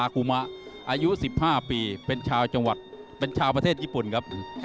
คุมะอายุ๑๕ปีเป็นชาวจังหวัดเป็นชาวประเทศญี่ปุ่นครับ